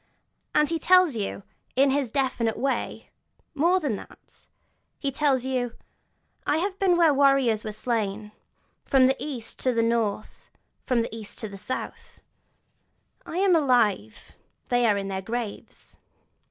And he tells you, in his definite way, more than that; he tells you: 'I have been where the warriors were slain, from the East to the North, and from the East to the South: I am alive, they are in their graves!'